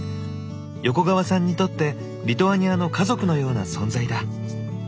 横川さんにとってリトアニアの家族のような存在だ。